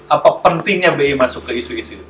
apa pentingnya bi masuk ke isu isu